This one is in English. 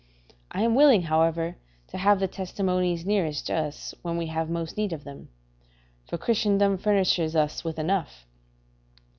I am willing, however, to have the testimonies nearest to us when we have most need of them; for Christendom furnishes us with enough.